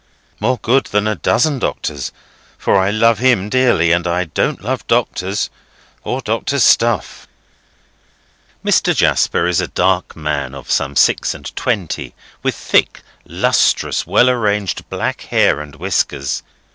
"More good than a dozen doctors. For I love him dearly, and I don't love doctors, or doctors' stuff." Mr. Jasper is a dark man of some six and twenty, with thick, lustrous, well arranged black hair and whiskers.